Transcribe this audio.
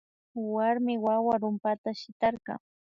Warmi wawa rumpata shitarka